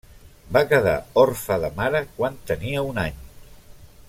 Va quedar orfe de mare quan tenia un any.